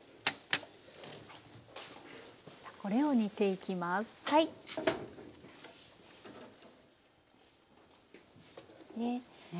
さあこれを煮ていきます。